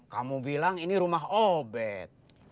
kamu bilang ini rumah obed